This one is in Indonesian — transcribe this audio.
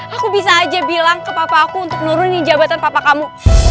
aku bisa aja bilang ke papa aku untuk nuruni jabatan papa kamu